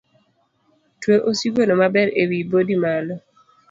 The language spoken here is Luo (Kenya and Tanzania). Twe osigono maber ewi bodi malo.